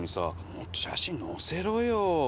もっと写真載せろよ！